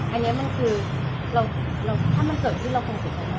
อันนี้มันคือถ้ามันเกิดที่เราคงเห็นกันมาก